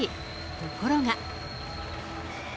ところが。